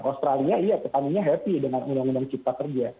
australia iya petaninya happy dengan undang undang cipta kerja